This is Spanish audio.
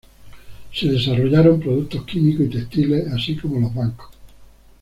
Se desarrollaron productos químicos y textiles, así como los bancos.